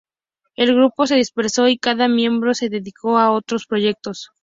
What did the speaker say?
El grupo se dispersó y cada miembro se dedicó a otros proyectos.